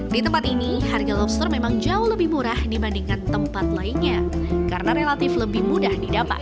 di tempat ini harga lobster memang jauh lebih murah dibandingkan tempat lainnya karena relatif lebih mudah didapat